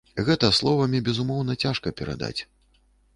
Гэта словамі, безумоўна, цяжка перадаць.